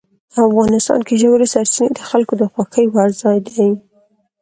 افغانستان کې ژورې سرچینې د خلکو د خوښې وړ ځای دی.